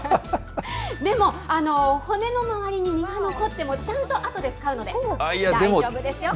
でも、骨の周りに身が残ってもちゃんとあとで使うので大丈夫ですよ。